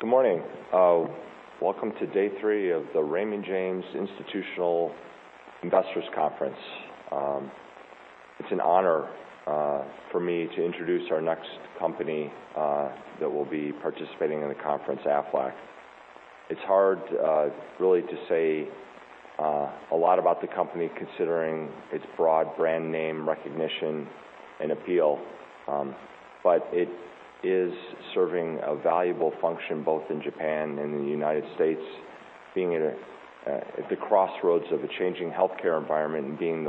Good morning. Welcome to day three of the Raymond James Institutional Investors Conference. It's an honor for me to introduce our next company that will be participating in the conference, Aflac. It's hard really to say a lot about the company, considering its broad brand name recognition and appeal, but it is serving a valuable function both in Japan and the U.S., being at the crossroads of the changing healthcare environment and being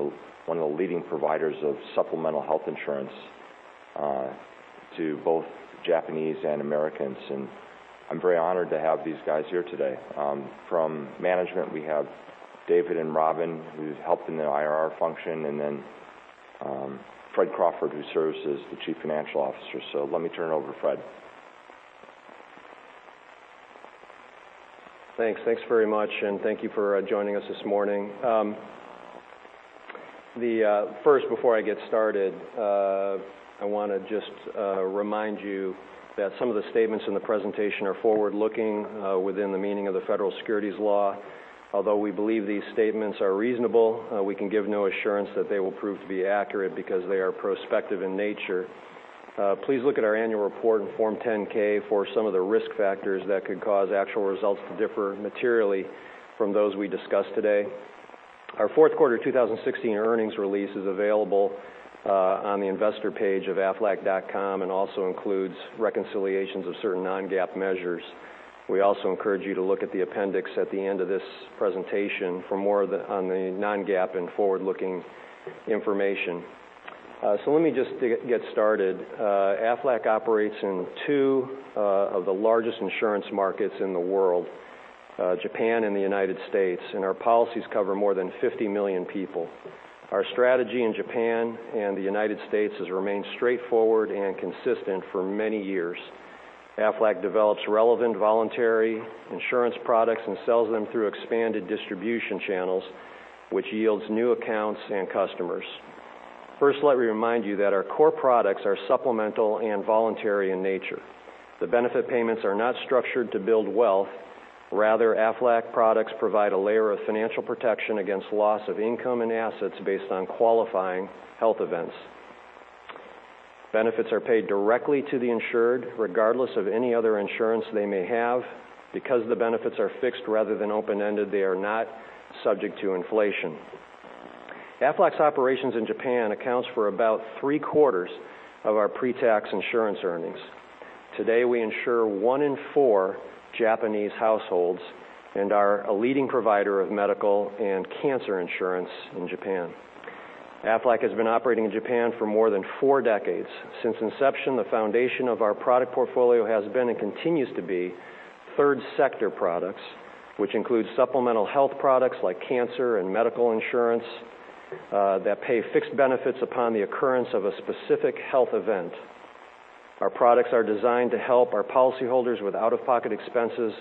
one of the leading providers of supplemental health insurance to both Japanese and Americans. I'm very honored to have these guys here today. From management, we have David and Robin, who help in the IR function, and then Fred Crawford, who serves as the Chief Financial Officer. Let me turn it over to Fred. Thanks. Thanks very much. Thank you for joining us this morning. First, before I get started, I want to just remind you that some of the statements in the presentation are forward-looking within the meaning of the federal securities law. Although we believe these statements are reasonable, we can give no assurance that they will prove to be accurate because they are prospective in nature. Please look at our annual report in Form 10-K for some of the risk factors that could cause actual results to differ materially from those we discuss today. Our fourth quarter 2016 earnings release is available on the investor page of aflac.com and also includes reconciliations of certain non-GAAP measures. We also encourage you to look at the appendix at the end of this presentation for more on the non-GAAP and forward-looking information. Let me just get started. Aflac operates in two of the largest insurance markets in the world, Japan and the U.S. Our policies cover more than 50 million people. Our strategy in Japan and the U.S. has remained straightforward and consistent for many years. Aflac develops relevant voluntary insurance products and sells them through expanded distribution channels, which yields new accounts and customers. First, let me remind you that our core products are supplemental and voluntary in nature. The benefit payments are not structured to build wealth. Rather, Aflac products provide a layer of financial protection against loss of income and assets based on qualifying health events. Benefits are paid directly to the insured, regardless of any other insurance they may have. Because the benefits are fixed rather than open-ended, they are not subject to inflation. Aflac's operations in Japan accounts for about three-quarters of our pre-tax insurance earnings. Today, we insure one in four Japanese households and are a leading provider of medical and cancer insurance in Japan. Aflac has been operating in Japan for more than four decades. Since inception, the foundation of our product portfolio has been, and continues to be, third sector products, which include supplemental health products like cancer and medical insurance that pay fixed benefits upon the occurrence of a specific health event. Our products are designed to help our policyholders with out-of-pocket expenses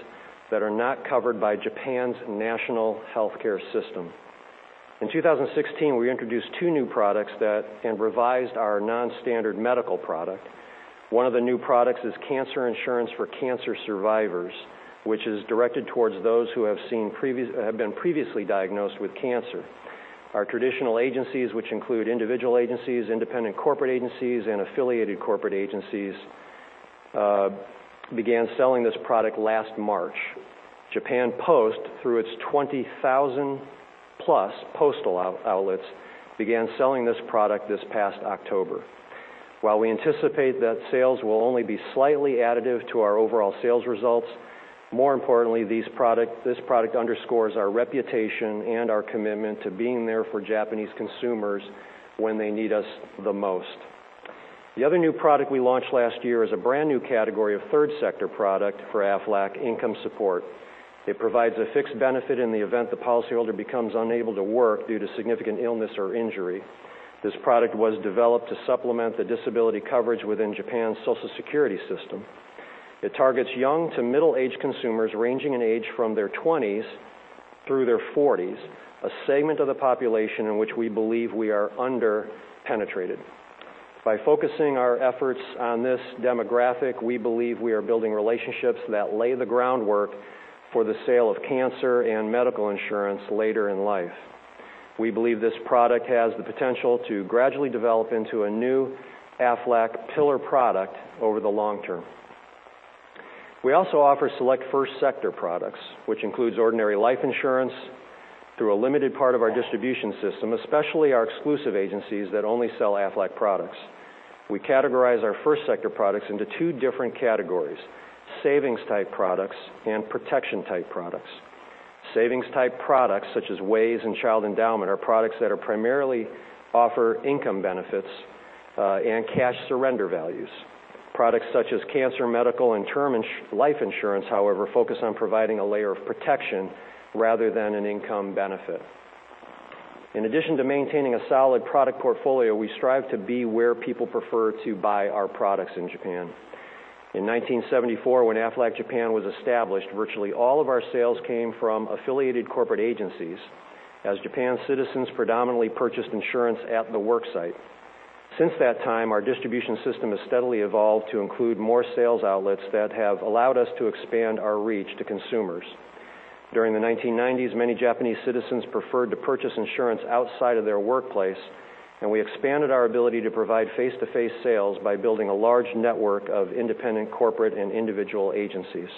that are not covered by Japan's national healthcare system. In 2016, we introduced two new products and revised our non-standard medical product. One of the new products is cancer insurance for cancer survivors, which is directed towards those who have been previously diagnosed with cancer. Our traditional agencies, which include individual agencies, independent corporate agencies, and affiliated corporate agencies, began selling this product last March. Japan Post, through its 20,000-plus postal outlets, began selling this product this past October. While we anticipate that sales will only be slightly additive to our overall sales results, more importantly, this product underscores our reputation and our commitment to being there for Japanese consumers when they need us the most. The other new product we launched last year is a brand-new category of third sector product for Aflac, Income Support. It provides a fixed benefit in the event the policyholder becomes unable to work due to significant illness or injury. This product was developed to supplement the disability coverage within Japan's Social Security system. It targets young to middle-aged consumers ranging in age from their 20s through their 40s, a segment of the population in which we believe we are under-penetrated. By focusing our efforts on this demographic, we believe we are building relationships that lay the groundwork for the sale of cancer and medical insurance later in life. We believe this product has the potential to gradually develop into a new Aflac pillar product over the long term. We also offer select first sector products, which includes ordinary life insurance through a limited part of our distribution system, especially our exclusive agencies that only sell Aflac products. We categorize our first sector products into two different categories, savings-type products and protection-type products. Savings-type products, such as WAYS and child endowment, are products that primarily offer income benefits and cash surrender values. Products such as cancer, medical, and term life insurance, however, focus on providing a layer of protection rather than an income benefit. In addition to maintaining a solid product portfolio, we strive to be where people prefer to buy our products in Japan. In 1974, when Aflac Japan was established, virtually all of our sales came from affiliated corporate agencies, as Japan's citizens predominantly purchased insurance at the work site. Since that time, our distribution system has steadily evolved to include more sales outlets that have allowed us to expand our reach to consumers. During the 1990s, many Japanese citizens preferred to purchase insurance outside of their workplace, and we expanded our ability to provide face-to-face sales by building a large network of independent corporate and individual agencies.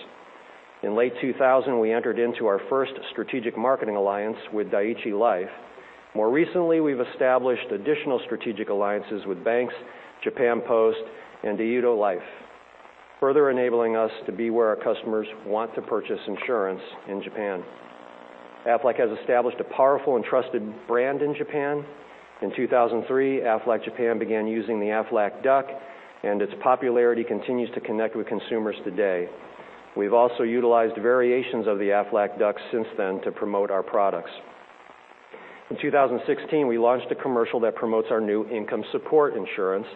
In late 2000, we entered into our first strategic marketing alliance with Dai-ichi Life. More recently, we've established additional strategic alliances with banks, Japan Post, and Daido Life, further enabling us to be where our customers want to purchase insurance in Japan. Aflac has established a powerful and trusted brand in Japan. In 2003, Aflac Japan began using the Aflac Duck, and its popularity continues to connect with consumers today. We've also utilized variations of the Aflac Duck since then to promote our products. In 2016, we launched a commercial that promotes our new Income Support Insurance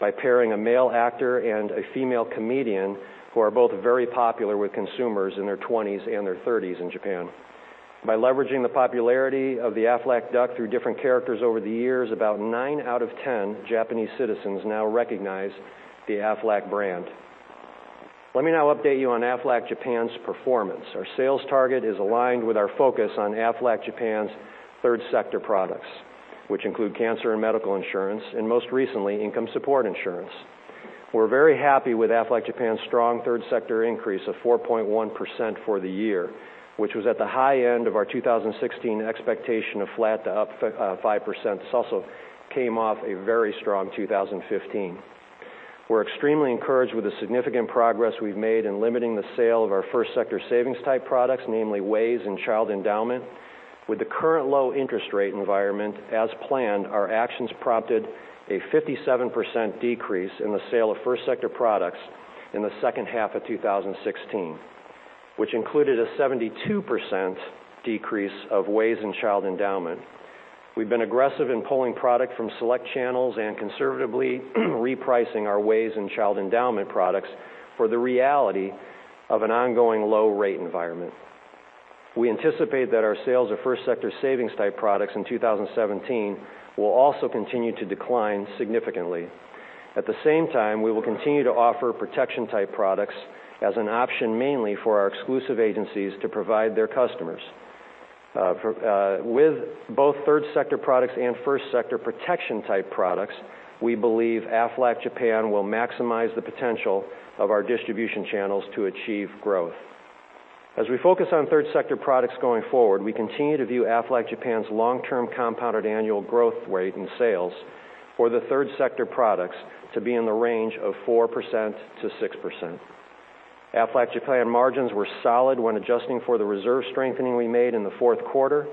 by pairing a male actor and a female comedian who are both very popular with consumers in their 20s and their 30s in Japan. By leveraging the popularity of the Aflac Duck through different characters over the years, about nine out of 10 Japanese citizens now recognize the Aflac brand. Let me now update you on Aflac Japan's performance. Our sales target is aligned with our focus on Aflac Japan's third sector products, which include cancer and medical insurance, and most recently, Income Support Insurance. We're very happy with Aflac Japan's strong third sector increase of 4.1% for the year, which was at the high end of our 2016 expectation of flat to up 5%. This also came off a very strong 2015. We're extremely encouraged with the significant progress we've made in limiting the sale of our first sector savings type products, namely WAYS and child endowment. With the current low interest rate environment, as planned, our actions prompted a 57% decrease in the sale of first sector products in the second half of 2016, which included a 72% decrease of WAYS and child endowment. We've been aggressive in pulling product from select channels and conservatively repricing our WAYS and child endowment products for the reality of an ongoing low rate environment. We anticipate that our sales of first sector savings type products in 2017 will also continue to decline significantly. At the same time, we will continue to offer protection type products as an option mainly for our exclusive agencies to provide their customers. With both third sector products and first sector protection type products, we believe Aflac Japan will maximize the potential of our distribution channels to achieve growth. As we focus on third sector products going forward, we continue to view Aflac Japan's long-term compounded annual growth rate in sales for the third sector products to be in the range of 4%-6%. Aflac Japan margins were solid when adjusting for the reserve strengthening we made in the fourth quarter.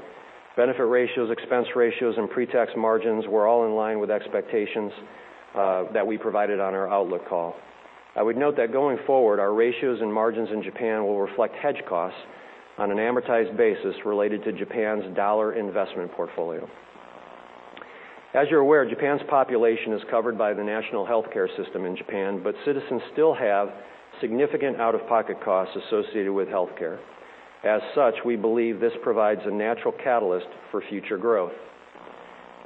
Benefit ratios, expense ratios, and pre-tax margins were all in line with expectations that we provided on our outlook call. I would note that going forward, our ratios and margins in Japan will reflect hedge costs on an amortized basis related to Japan's dollar investment portfolio. As you're aware, Japan's population is covered by the National Healthcare system in Japan, but citizens still have significant out-of-pocket costs associated with healthcare. As such, we believe this provides a natural catalyst for future growth.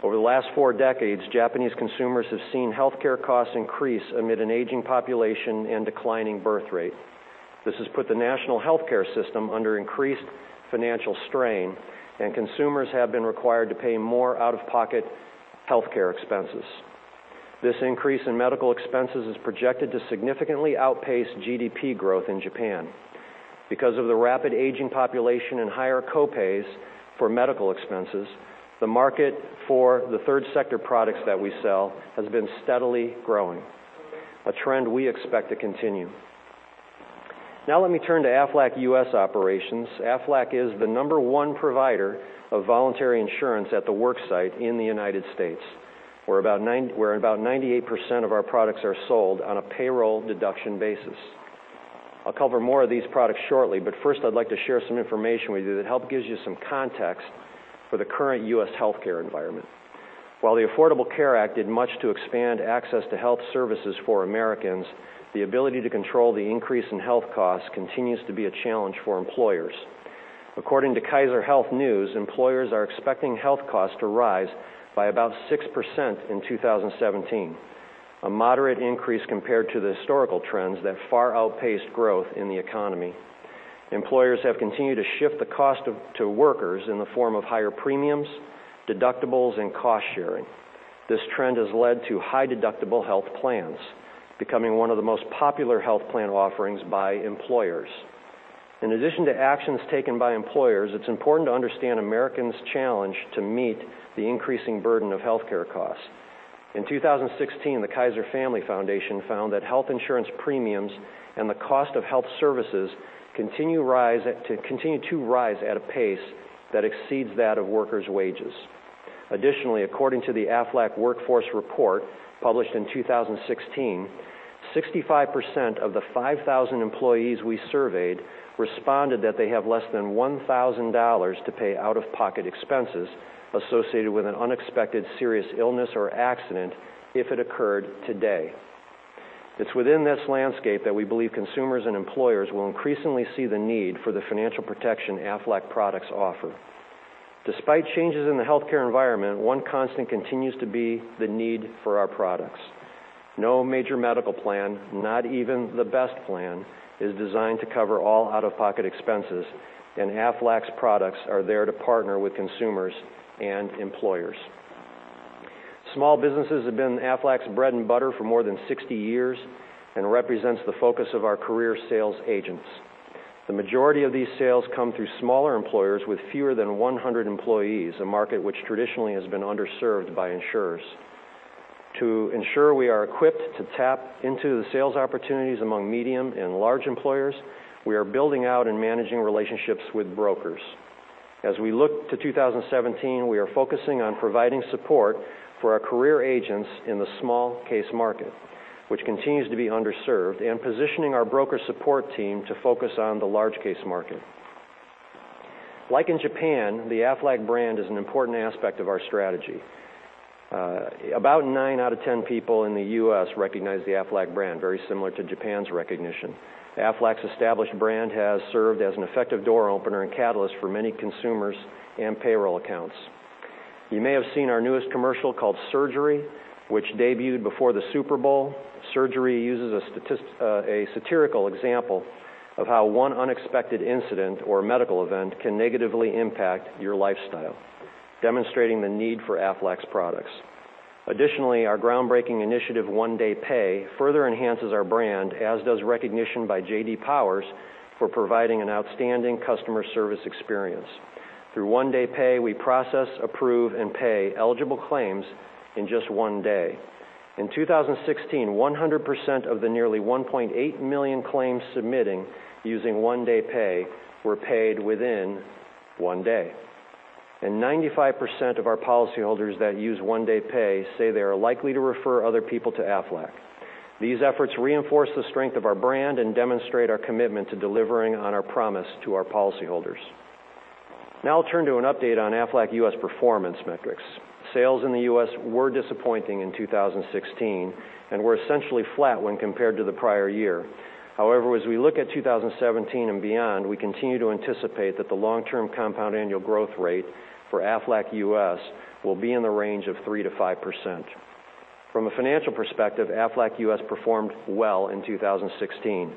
Over the last four decades, Japanese consumers have seen healthcare costs increase amid an aging population and declining birth rate. This has put the National Healthcare system under increased financial strain, and consumers have been required to pay more out-of-pocket healthcare expenses. This increase in medical expenses is projected to significantly outpace GDP growth in Japan. Because of the rapid aging population and higher co-pays for medical expenses, the market for the third sector products that we sell has been steadily growing, a trend we expect to continue. Now let me turn to Aflac U.S. operations. Aflac is the number one provider of voluntary insurance at the worksite in the United States, where about 98% of our products are sold on a payroll deduction basis. I'll cover more of these products shortly, but first, I'd like to share some information with you that help gives you some context for the current U.S. healthcare environment. While the Affordable Care Act did much to expand access to health services for Americans, the ability to control the increase in health costs continues to be a challenge for employers. According to Kaiser Health News, employers are expecting health costs to rise by about 6% in 2017, a moderate increase compared to the historical trends that far outpaced growth in the economy. Employers have continued to shift the cost to workers in the form of higher premiums, deductibles, and cost sharing. This trend has led to high deductible health plans becoming one of the most popular health plan offerings by employers. In addition to actions taken by employers, it's important to understand Americans' challenge to meet the increasing burden of healthcare costs. In 2016, the Kaiser Family Foundation found that health insurance premiums and the cost of health services continue to rise at a pace that exceeds that of workers' wages. Additionally, according to the Aflac WorkForces Report published in 2016, 65% of the 5,000 employees we surveyed responded that they have less than $1,000 to pay out-of-pocket expenses associated with an unexpected serious illness or accident if it occurred today. It's within this landscape that we believe consumers and employers will increasingly see the need for the financial protection Aflac products offer. Despite changes in the healthcare environment, one constant continues to be the need for our products. No major medical plan, not even the best plan, is designed to cover all out-of-pocket expenses, and Aflac's products are there to partner with consumers and employers. Small businesses have been Aflac's bread and butter for more than 60 years and represents the focus of our career sales agents. The majority of these sales come through smaller employers with fewer than 100 employees, a market which traditionally has been underserved by insurers. To ensure we are equipped to tap into the sales opportunities among medium and large employers, we are building out and managing relationships with brokers. As we look to 2017, we are focusing on providing support for our career agents in the small case market, which continues to be underserved, and positioning our broker support team to focus on the large case market. Like in Japan, the Aflac brand is an important aspect of our strategy. About nine out of 10 people in the U.S. recognize the Aflac brand, very similar to Japan's recognition. Aflac's established brand has served as an effective door opener and catalyst for many consumers and payroll accounts. You may have seen our newest commercial called "Surgery," which debuted before the Super Bowl. "Surgery" uses a satirical example of how one unexpected incident or medical event can negatively impact your lifestyle, demonstrating the need for Aflac's products. Additionally, our groundbreaking initiative, One Day Pay, further enhances our brand, as does recognition by J.D. Power for providing an outstanding customer service experience. Through One Day Pay, we process, approve, and pay eligible claims in just one day. In 2016, 100% of the nearly 1.8 million claims submitting using One Day Pay were paid within one day, and 95% of our policyholders that use One Day Pay say they are likely to refer other people to Aflac. These efforts reinforce the strength of our brand and demonstrate our commitment to delivering on our promise to our policyholders. Now I'll turn to an update on Aflac U.S. performance metrics. Sales in the U.S. were disappointing in 2016 and were essentially flat when compared to the prior year. However, as we look at 2017 and beyond, we continue to anticipate that the long-term compound annual growth rate for Aflac U.S. will be in the range of 3%-5%. From a financial perspective, Aflac U.S. performed well in 2016.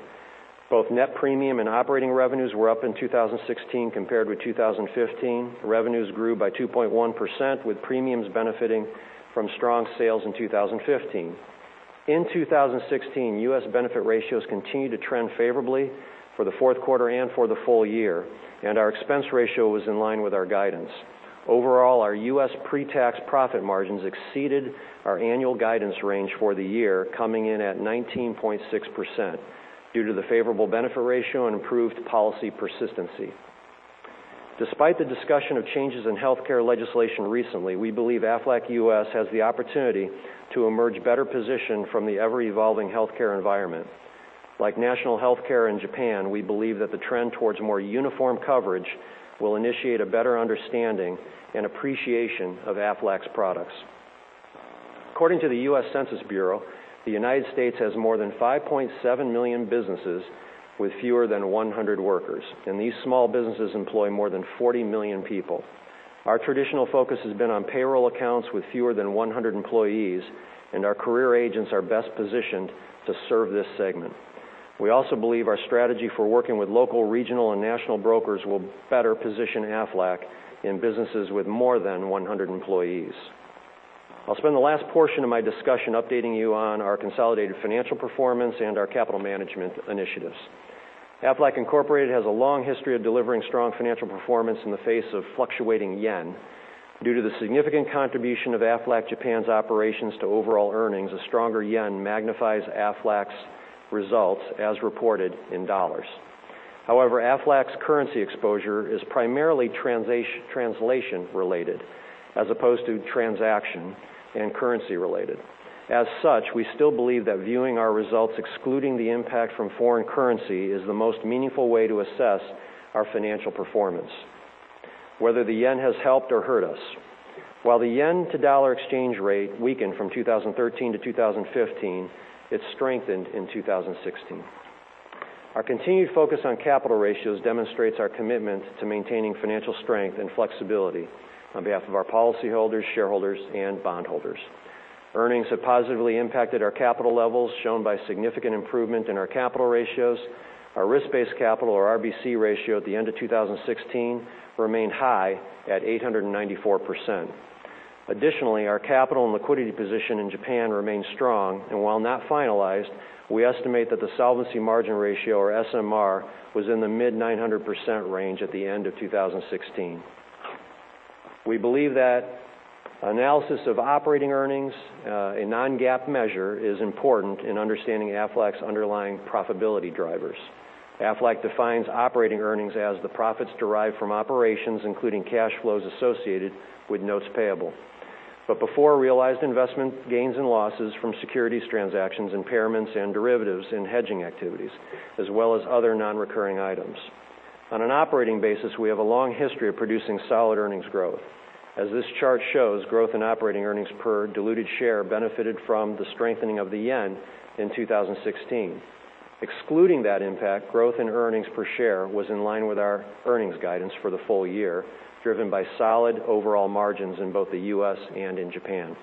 Both net premium and operating revenues were up in 2016 compared with 2015. Revenues grew by 2.1%, with premiums benefiting from strong sales in 2015. In 2016, U.S. benefit ratios continued to trend favorably for the fourth quarter and for the full year, and our expense ratio was in line with our guidance. Overall, our U.S. pre-tax profit margins exceeded our annual guidance range for the year, coming in at 19.6% due to the favorable benefit ratio and improved policy persistency. Despite the discussion of changes in healthcare legislation recently, we believe Aflac U.S. has the opportunity to emerge better positioned from the ever-evolving healthcare environment. Like national healthcare in Japan, we believe that the trend towards more uniform coverage will initiate a better understanding and appreciation of Aflac's products. According to the U.S. Census Bureau, the United States has more than 5.7 million businesses with fewer than 100 workers, and these small businesses employ more than 40 million people. Our traditional focus has been on payroll accounts with fewer than 100 employees, and our career agents are best positioned to serve this segment. We also believe our strategy for working with local, regional, and national brokers will better position Aflac in businesses with more than 100 employees. I'll spend the last portion of my discussion updating you on our consolidated financial performance and our capital management initiatives. Aflac Incorporated has a long history of delivering strong financial performance in the face of fluctuating yen. Due to the significant contribution of Aflac Japan's operations to overall earnings, a stronger yen magnifies Aflac's results as reported in dollars. However, Aflac's currency exposure is primarily translation related as opposed to transaction and currency related. As such, we still believe that viewing our results, excluding the impact from foreign currency, is the most meaningful way to assess our financial performance, whether the yen has helped or hurt us. While the yen to dollar exchange rate weakened from 2013 to 2015, it strengthened in 2016. Our continued focus on capital ratios demonstrates our commitment to maintaining financial strength and flexibility on behalf of our policyholders, shareholders, and bondholders. Earnings have positively impacted our capital levels, shown by significant improvement in our capital ratios. Our risk-based capital or RBC ratio at the end of 2016 remained high at 894%. Additionally, our capital and liquidity position in Japan remains strong. While not finalized, we estimate that the solvency margin ratio or SMR was in the mid-900% range at the end of 2016. We believe that analysis of operating earnings, a non-GAAP measure, is important in understanding Aflac's underlying profitability drivers. Aflac defines operating earnings as the profits derived from operations, including cash flows associated with notes payable, but before realized investment gains and losses from securities transactions, impairments, and derivatives and hedging activities, as well as other non-recurring items. On an operating basis, we have a long history of producing solid earnings growth. As this chart shows, growth in operating earnings per diluted share benefited from the strengthening of the yen in 2016. Excluding that impact, growth in earnings per share was in line with our earnings guidance for the full year, driven by solid overall margins in both the U.S. and in Japan.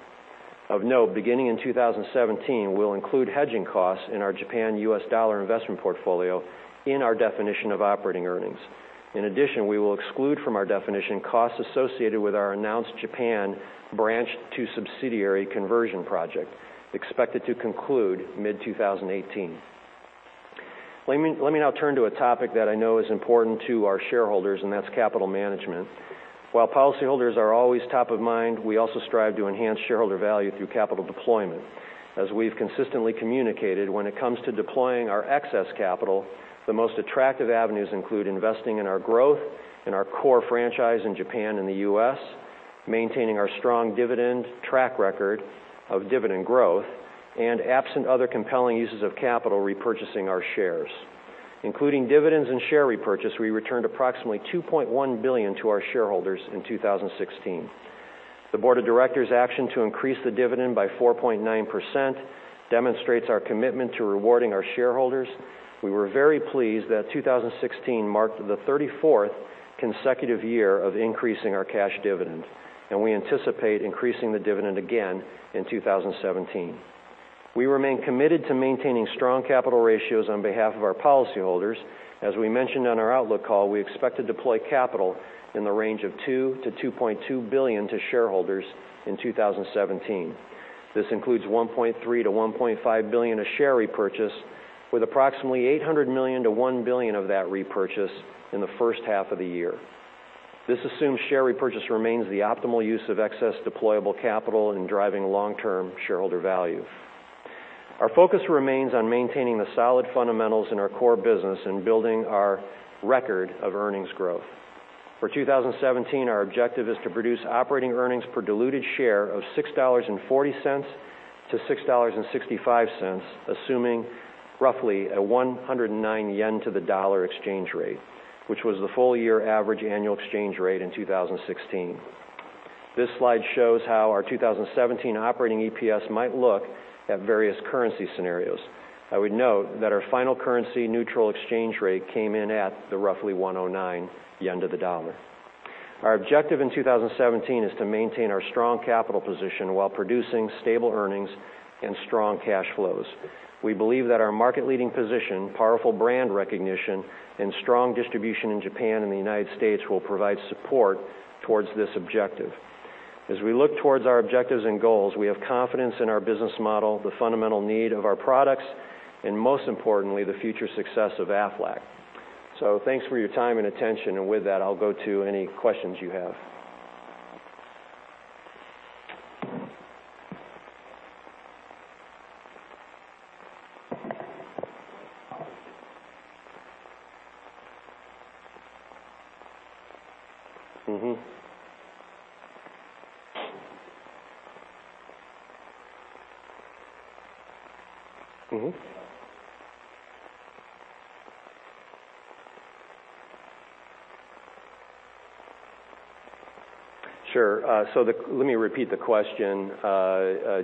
Of note, beginning in 2017, we'll include hedging costs in our Japan/U.S. dollar investment portfolio in our definition of operating earnings. In addition, we will exclude from our definition costs associated with our announced Japan branch to subsidiary conversion project, expected to conclude mid-2018. Let me now turn to a topic that I know is important to our shareholders, that's capital management. While policyholders are always top of mind, we also strive to enhance shareholder value through capital deployment. As we've consistently communicated, when it comes to deploying our excess capital, the most attractive avenues include investing in our growth, in our core franchise in Japan and the U.S., maintaining our strong dividend track record of dividend growth, and absent other compelling uses of capital, repurchasing our shares. Including dividends and share repurchase, we returned approximately $2.1 billion to our shareholders in 2016. The board of directors' action to increase the dividend by 4.9% demonstrates our commitment to rewarding our shareholders. We were very pleased that 2016 marked the 34th consecutive year of increasing our cash dividend, we anticipate increasing the dividend again in 2017. We remain committed to maintaining strong capital ratios on behalf of our policyholders. As we mentioned on our outlook call, we expect to deploy capital in the range of $2 billion-$2.2 billion to shareholders in 2017. This includes $1.3 billion-$1.5 billion of share repurchase, with approximately $800 million-$1 billion of that repurchase in the first half of the year. This assumed share repurchase remains the optimal use of excess deployable capital in driving long-term shareholder value. Our focus remains on maintaining the solid fundamentals in our core business and building our record of earnings growth. For 2017, our objective is to produce operating earnings per diluted share of $6.40-$6.65, assuming roughly a 109 yen to the USD exchange rate, which was the full year average annual exchange rate in 2016. This slide shows how our 2017 operating EPS might look at various currency scenarios. I would note that our final currency neutral exchange rate came in at the roughly 109 yen to the USD. Our objective in 2017 is to maintain our strong capital position while producing stable earnings and strong cash flows. We believe that our market leading position, powerful brand recognition, and strong distribution in Japan and the U.S. will provide support towards this objective. As we look towards our objectives and goals, we have confidence in our business model, the fundamental need of our products, and most importantly, the future success of Aflac. Thanks for your time and attention. With that, I'll go to any questions you have. Sure. Let me repeat the question,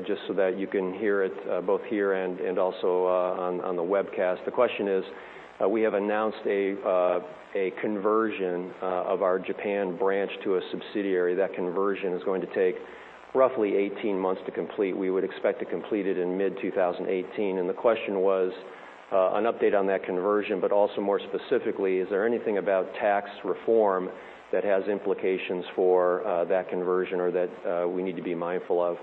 just so that you can hear it both here and also on the webcast. The question is, we have announced a conversion of our Japan branch to a subsidiary. That conversion is going to take roughly 18 months to complete. We would expect to complete it in mid-2018. The question was, an update on that conversion, but also more specifically, is there anything about tax reform that has implications for that conversion or that we need to be mindful of?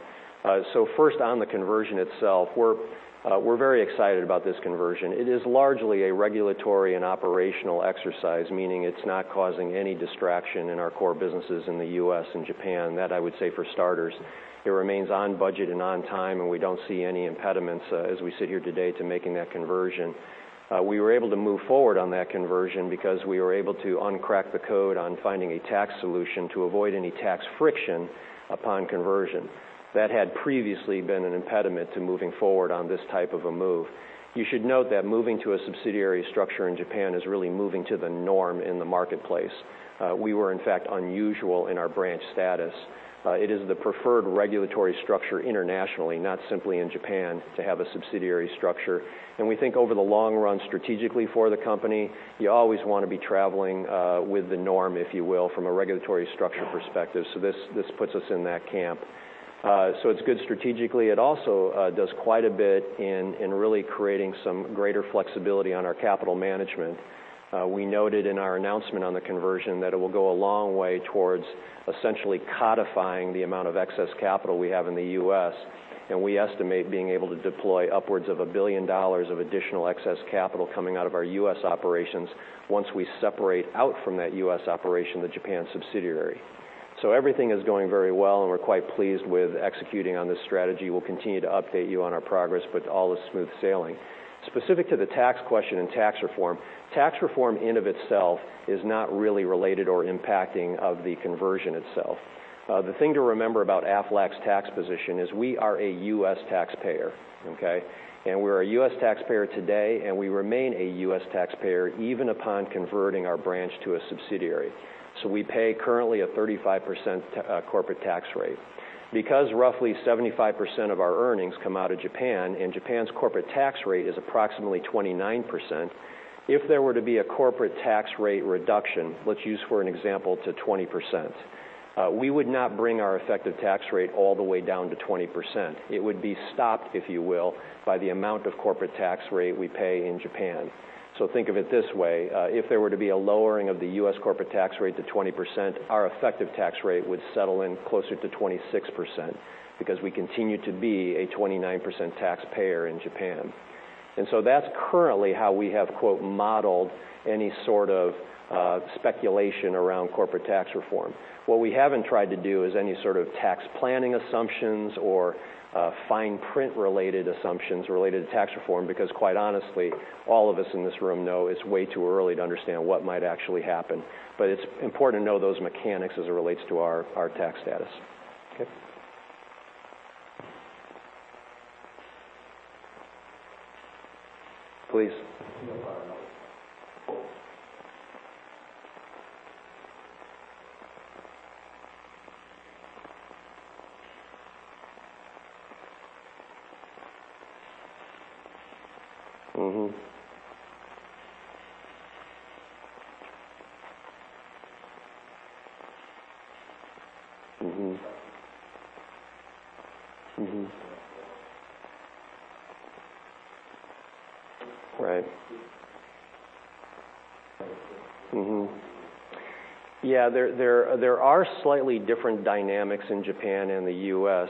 First on the conversion itself, we're very excited about this conversion. It is largely a regulatory and operational exercise, meaning it's not causing any distraction in our core businesses in the U.S. and Japan. That I would say for starters. It remains on budget and on time. We don't see any impediments as we sit here today to making that conversion. We were able to move forward on that conversion because we were able to uncrack the code on finding a tax solution to avoid any tax friction upon conversion. That had previously been an impediment to moving forward on this type of a move. You should note that moving to a subsidiary structure in Japan is really moving to the norm in the marketplace. We were in fact, unusual in our branch status. It is the preferred regulatory structure internationally, not simply in Japan, to have a subsidiary structure. We think over the long run, strategically for the company, you always want to be traveling with the norm, if you will, from a regulatory structure perspective. This puts us in that camp. It's good strategically. It also does quite a bit in really creating some greater flexibility on our capital management. We noted in our announcement on the conversion that it will go a long way towards essentially codifying the amount of excess capital we have in the U.S. We estimate being able to deploy upwards of $1 billion of additional excess capital coming out of our U.S. operations once we separate out from that U.S. operation, the Japan subsidiary. Everything is going very well, and we're quite pleased with executing on this strategy. We'll continue to update you on our progress, but all is smooth sailing. Specific to the tax question and tax reform, tax reform in of itself is not really related or impacting of the conversion itself. The thing to remember about Aflac's tax position is we are a U.S. taxpayer, okay? We're a U.S. taxpayer today, and we remain a U.S. taxpayer even upon converting our branch to a subsidiary. We pay currently a 35% corporate tax rate. Because roughly 75% of our earnings come out of Japan, and Japan's corporate tax rate is approximately 29%, if there were to be a corporate tax rate reduction, let's use for an example to 20%, we would not bring our effective tax rate all the way down to 20%. It would be stopped, if you will, by the amount of corporate tax rate we pay in Japan. Think of it this way, if there were to be a lowering of the U.S. corporate tax rate to 20%, our effective tax rate would settle in closer to 26%, because we continue to be a 29% taxpayer in Japan. That's currently how we have, quote, "modeled" any sort of speculation around corporate tax reform. What we haven't tried to do is any sort of tax planning assumptions or fine print related assumptions related to tax reform, because quite honestly, all of us in this room know it's way too early to understand what might actually happen. It's important to know those mechanics as it relates to our tax status. Okay. Please. Mm-hmm. Mm-hmm. Right. Mm-hmm. Yeah, there are slightly different dynamics in Japan and the U.S.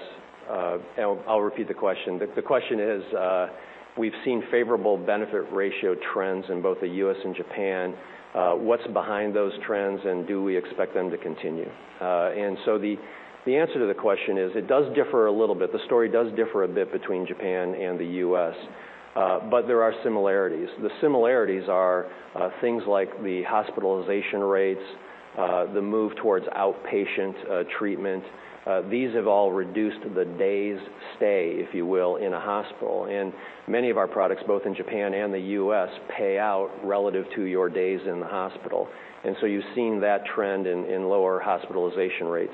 I'll repeat the question. The question is, we've seen favorable benefit ratio trends in both the U.S. and Japan. What's behind those trends, and do we expect them to continue? The answer to the question is, it does differ a little bit. The story does differ a bit between Japan and the U.S., but there are similarities. The similarities are things like the hospitalization rates, the move towards outpatient treatment. These have all reduced the days stay, if you will, in a hospital. Many of our products, both in Japan and the U.S., pay out relative to your days in the hospital. You've seen that trend in lower hospitalization rates.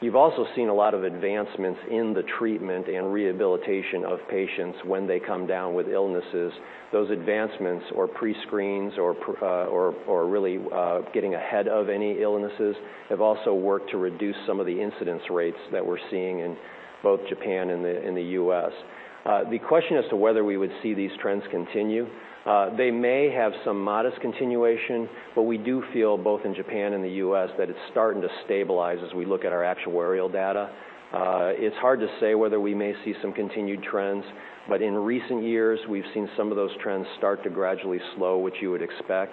You've also seen a lot of advancements in the treatment and rehabilitation of patients when they come down with illnesses. Those advancements or pre-screens or really getting ahead of any illnesses have also worked to reduce some of the incidence rates that we're seeing in both Japan and the U.S. The question as to whether we would see these trends continue, they may have some modest continuation, but we do feel both in Japan and the U.S. that it's starting to stabilize as we look at our actuarial data. It's hard to say whether we may see some continued trends, but in recent years, we've seen some of those trends start to gradually slow, which you would expect.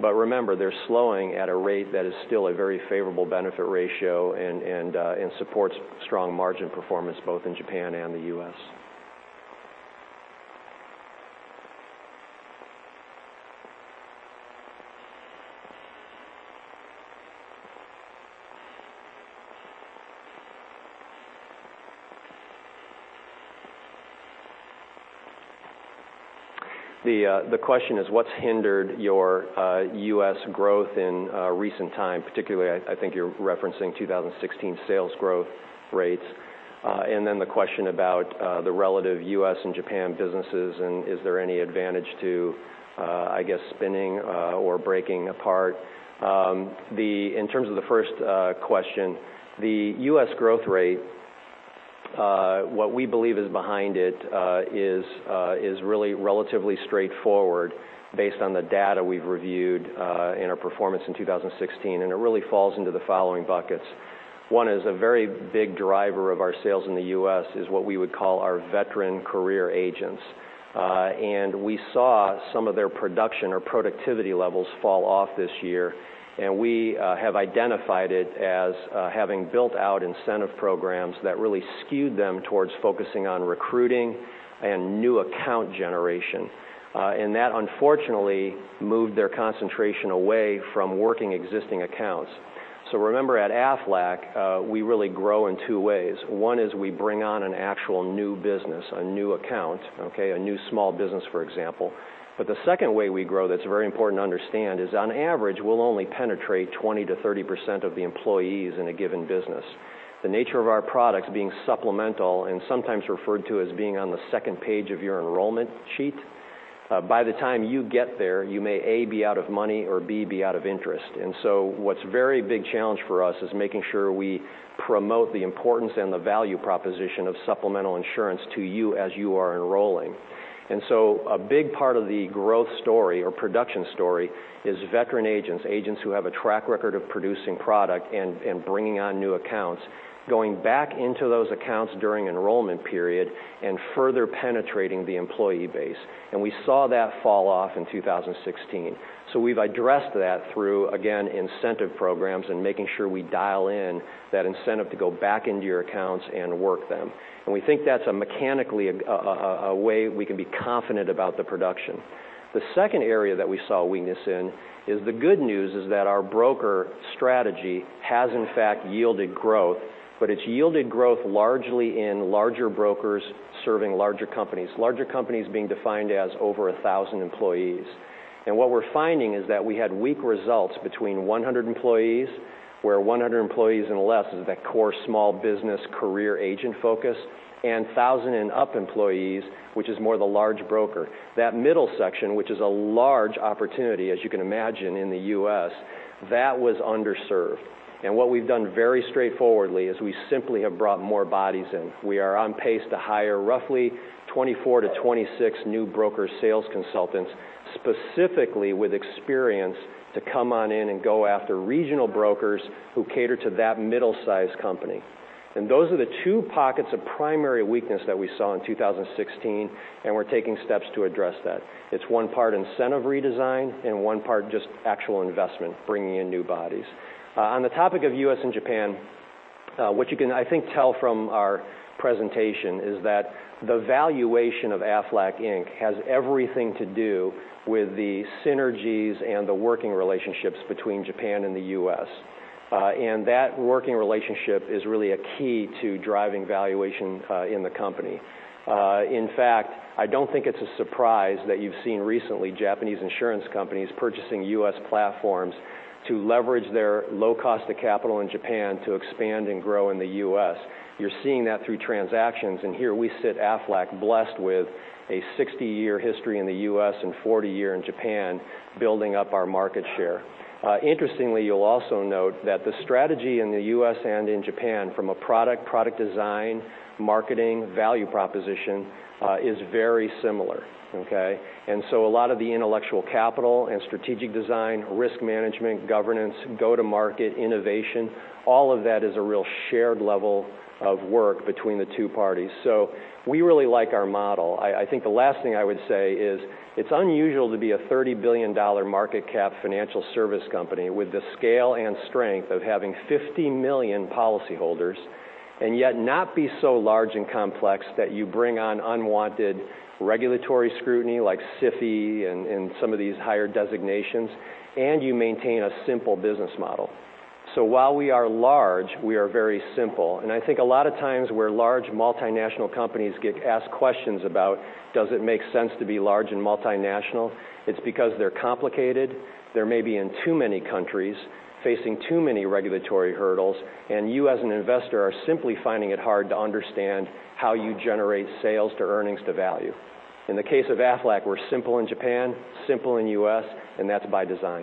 Remember, they're slowing at a rate that is still a very favorable benefit ratio and supports strong margin performance both in Japan and the U.S. The question is what's hindered your U.S. growth in recent times, particularly I think you're referencing 2016 sales growth rates. The question about the relative U.S. and Japan businesses, and is there any advantage to, I guess, spinning or breaking apart. In terms of the first question, the U.S. growth rate, what we believe is behind it is really relatively straightforward based on the data we've reviewed in our performance in 2016, and it really falls into the following buckets. One is a very big driver of our sales in the U.S., is what we would call our veteran career agents. We saw some of their production or productivity levels fall off this year, and we have identified it as having built out incentive programs that really skewed them towards focusing on recruiting and new account generation. That, unfortunately, moved their concentration away from working existing accounts. Remember at Aflac, we really grow in two ways. One is we bring on an actual new business, a new account, okay, a new small business, for example. But the second way we grow that's very important to understand is on average, we'll only penetrate 20%-30% of the employees in a given business. The nature of our products being supplemental and sometimes referred to as being on the second page of your enrollment sheet, by the time you get there, you may, A, be out of money or, B, be out of interest. What's a very big challenge for us is making sure we promote the importance and the value proposition of supplemental insurance to you as you are enrolling. A big part of the growth story or production story is veteran agents who have a track record of producing product and bringing on new accounts, going back into those accounts during enrollment period and further penetrating the employee base. We saw that fall off in 2016. We've addressed that through, again, incentive programs and making sure we dial in that incentive to go back into your accounts and work them. We think that's mechanically a way we can be confident about the production. The second area that we saw weakness in is the good news is that our broker strategy has in fact yielded growth, but it's yielded growth largely in larger brokers serving larger companies, larger companies being defined as over 1,000 employees. What we're finding is that we had weak results between 100 employees, where 100 employees and less is that core small business career agent focus, and 1,000 and up employees, which is more the large broker. That middle section, which is a large opportunity, as you can imagine, in the U.S., that was underserved. What we've done very straightforwardly is we simply have brought more bodies in. We are on pace to hire roughly 24 to 26 new broker sales consultants, specifically with experience to come on in and go after regional brokers who cater to that middle size company. Those are the two pockets of primary weakness that we saw in 2016, and we're taking steps to address that. It's one part incentive redesign and one part just actual investment, bringing in new bodies. On the topic of U.S. and Japan, what you can, I think, tell from our presentation is that the valuation of Aflac Inc. has everything to do with the synergies and the working relationships between Japan and the U.S. That working relationship is really a key to driving valuation in the company. In fact, I don't think it's a surprise that you've seen recently Japanese insurance companies purchasing U.S. platforms to leverage their low cost of capital in Japan to expand and grow in the U.S. You're seeing that through transactions, and here we sit, Aflac, blessed with a 60-year history in the U.S. and 40-year in Japan building up our market share. Interestingly, you'll also note that the strategy in the U.S. and in Japan from a product design, marketing, value proposition, is very similar, okay? A lot of the intellectual capital and strategic design, risk management, governance, go-to market, innovation, all of that is a real shared level of work between the two parties. We really like our model. I think the last thing I would say is, it's unusual to be a $30 billion market cap financial service company with the scale and strength of having 50 million policyholders, and yet not be so large and complex that you bring on unwanted regulatory scrutiny like SIFI and some of these higher designations, and you maintain a simple business model. While we are large, we are very simple, and I think a lot of times where large multinational companies get asked questions about, does it make sense to be large and multinational, it's because they're complicated, they may be in too many countries facing too many regulatory hurdles, and you, as an investor, are simply finding it hard to understand how you generate sales to earnings to value. In the case of Aflac, we're simple in Japan, simple in U.S., That's by design.